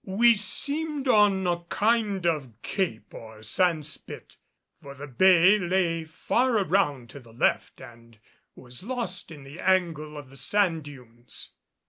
We seemed on a kind of cape or sand spit, for the bay lay far around to the left and was lost in the angle of the sand dunes.